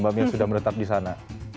mbak mia sudah menetap di sana